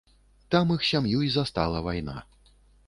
Там іх сям'ю і застала вайна.